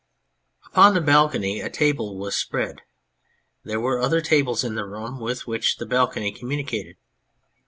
Upon the balcony a table was spread ; there were other tables in the room with which the balcony communicated.